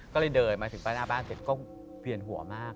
ก็เลยเดินมาถึงป้ายหน้าบ้านเสร็จก็เปลี่ยนหัวมาก